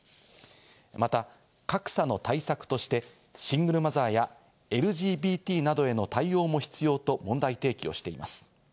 また格差の対策として、シングルマザーやＬＧＢＴなどへの対応も必要と問題提起をしています。